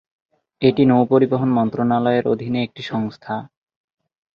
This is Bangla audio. এটি নৌপরিবহন মন্ত্রণালয়ের অধীনে একটি সংস্থা।